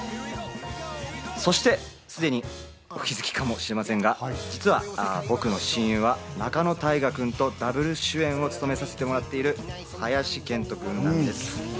そして、すでにお気づきかもしれませんが、実は僕の親友は仲野太賀君とダブル主演を務めさせてもらっている林遣都君なんです。